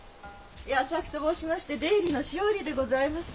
矢作と申しまして出入りの塩売りでございます。